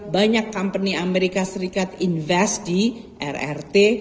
banyak company amerika serikat invest di rrt